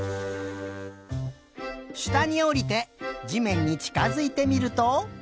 したにおりてじめんにちかづいてみると。